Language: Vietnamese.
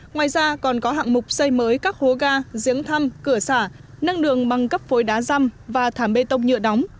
ngoài ra còn có hạng mục xây mới các hố ga giếng thăm cửa xả nâng đường bằng cấp phối đá răm và thảm bê tông nhựa đóng